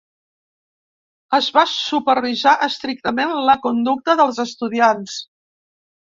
Es va supervisar estrictament la conducta dels estudiants.